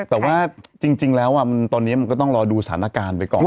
แต่ว่าจริงแล้วตอนนี้มันก็ต้องรอดูสถานการณ์ไปก่อน